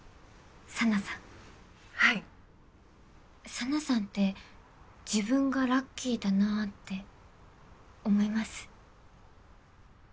紗菜さんって自分がラッキーだなって思います？